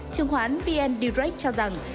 chương khoán pn direct cho rằng